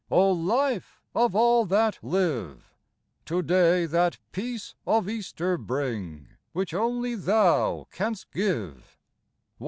O Life of all that live ! To day that peace of Easter bring Which only Thou canst give.